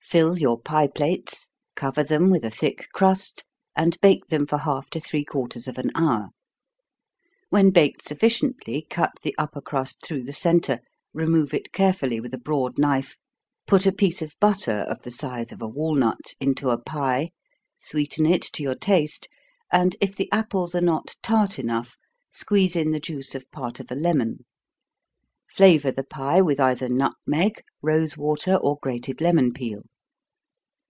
Fill your pie plates, cover them with a thick crust, and bake them from half to three quarters of an hour. When baked sufficiently, cut the upper crust through the centre, remove it carefully with a broad knife, put a piece of butter, of the size of a walnut, into a pie, sweeten it to your taste, and if the apples are not tart enough, squeeze in the juice of part of a lemon flavor the pie with either nutmeg, rosewater, or grated lemon peel.